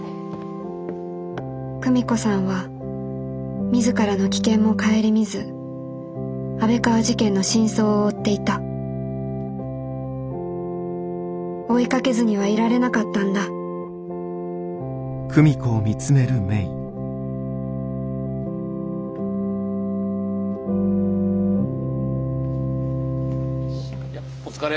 久美子さんは自らの危険も顧みず安倍川事件の真相を追っていた追いかけずにはいられなかったんだお疲れ。